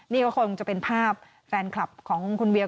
นี่ก็คงจะเป็นภาพแฟนคลับของคุณเวีย